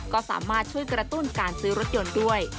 ก็สามารถช่วยกระตุ้นการซื้อรถยนต์ด้วย